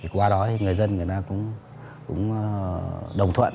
qua đó người dân người ta cũng đồng thuận